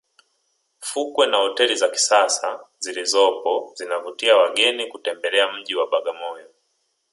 fukwe na hoteli za kisasa zilizopo zinavutia wageni kutembelea mji wa bagamoyo